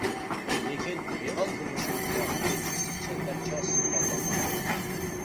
لېكىن رېئال تۇرمۇشىمىزدا بۇ ئىككىسى چەمبەرچاس باغلانغان بولىدۇ.